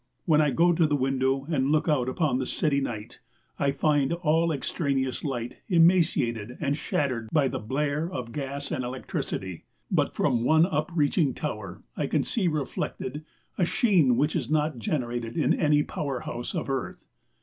When I go to the window and look out upon the city night, I find all extraneous light emaciated and shattered by the blare of gas and electricity, but from one upreaching tower I can see reflected a sheen which is not generated in any power house of earth.